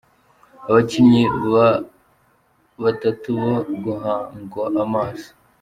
Abakinnyi ba batatu bo guhangwa amaso .